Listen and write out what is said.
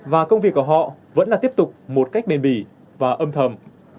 và công việc của họ vẫn là tiếp tục một cách bền bỉ và âm thầm